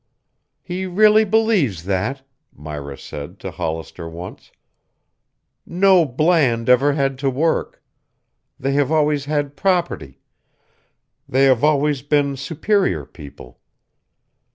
"He really believes that," Myra said to Hollister once. "No Bland ever had to work. They have always had property they have always been superior people.